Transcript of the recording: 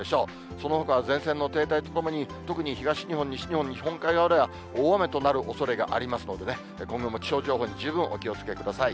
そのほかは前線の停滞とともに、特に東日本、西日本、日本海側では大雨となるおそれがありますのでね、今後の気象情報に十分お気をつけください。